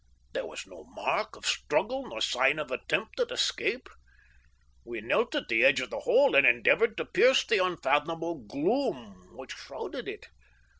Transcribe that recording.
There was no mark of struggle nor sign of attempt at escape. We knelt at the edge of the Hole and endeavoured to pierce the unfathomable gloom which shrouded it.